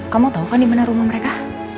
kamu tau kan dimana rumah mereka